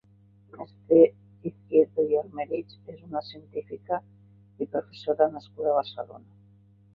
Mercè Izquierdo i Aymerich és una científica i professora nascuda a Barcelona.